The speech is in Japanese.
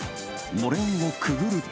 のれんをくぐると。